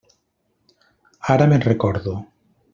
Ara me'n recordo.